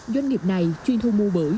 doanh nghiệp này chuyên thu mua bưởi